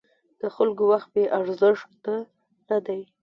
د خلکو وخت بې ارزښته نه دی.